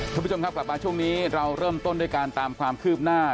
คุณผู้ชมครับกลับมาช่วงนี้เราเริ่มต้นด้วยการตามความคืบหน้า